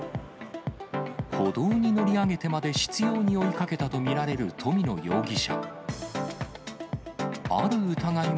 歩道に乗り上げてまで、執ように追いかけたと見られる富野容疑者。